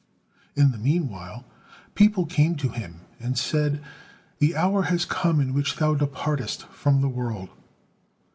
In the meanwhile people came to him and said, "The hour has come in which thou departest from the world."